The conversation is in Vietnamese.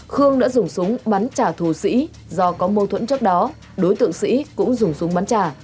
khương đã dùng súng bắn trả thù sĩ do có mâu thuẫn trước đó đối tượng sĩ cũng dùng súng bắn trả